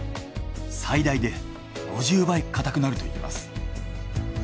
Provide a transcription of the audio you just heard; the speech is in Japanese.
最大で５０倍固くなるといいます。